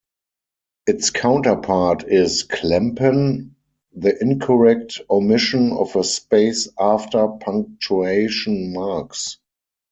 Its counterpart is Klempen, the incorrect omission of a space "after" punctuation marks.